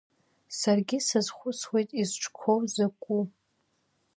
Саргьы сазхәыцуеит изҿқәоу закәу.